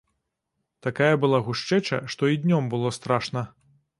Такая была гушчэча, што і днём было страшна.